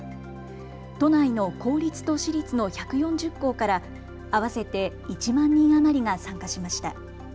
都内の公立と私立の１４０校から合わせて１万人余りが参加しました。